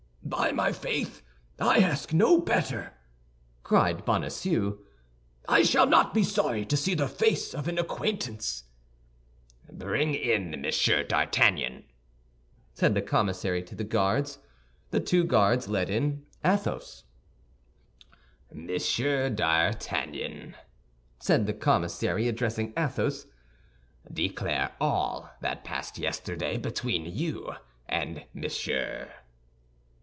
"By my faith, I ask no better," cried Bonacieux; "I shall not be sorry to see the face of an acquaintance." "Bring in the Monsieur d'Artagnan," said the commissary to the guards. The two guards led in Athos. "Monsieur d'Artagnan," said the commissary, addressing Athos, "declare all that passed yesterday between you and Monsieur."